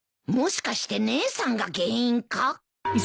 もしかして姉さんが原因か？